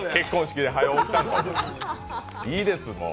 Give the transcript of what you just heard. いいです、もう。